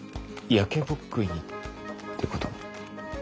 焼けぼっくいにってことも？